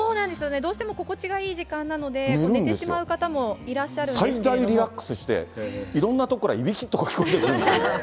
どうしても心地がいい時間なので、寝てしまう方もいらっしゃるんで最大リラックスして、いろんな所からいびきとか聞こえてくる。